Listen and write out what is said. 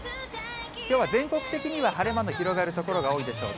きょうは全国的には晴れ間の広がる所が多いでしょう。